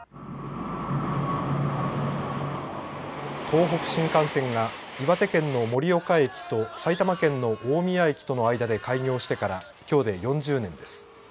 東北新幹線が岩手県の盛岡駅と埼玉県の大宮駅との間で開業してからきょうで４０年です。